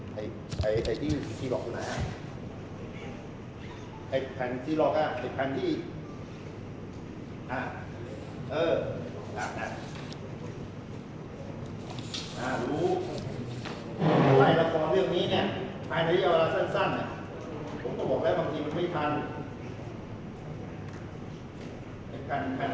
รายละครเรื่องนี้เนี้ยภายในวิทยาลัยสั้นสั้นผมจะบอกแล้วบางทีมันไม่ทัน